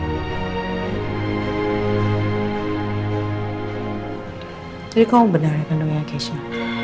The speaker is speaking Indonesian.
jadi kau benar kendungnya keisha